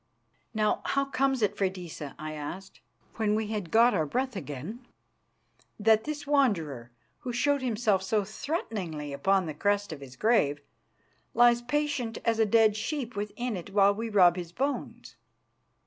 "Now, how comes it, Freydisa," I asked, when we had got our breath again, "that this Wanderer, who showed himself so threateningly upon the crest of his grave, lies patient as a dead sheep within it while we rob his bones?"